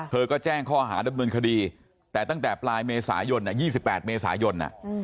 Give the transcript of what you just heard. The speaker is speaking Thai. เธอก็แจ้งข้อหาดำเนินคดีแต่ตั้งแต่ปลายเมษายน๒๘เมษายน